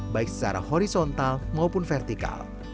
baik secara horizontal maupun vertikal